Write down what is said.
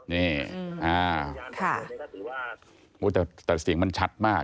นี่แต่เสียงมันชัดมาก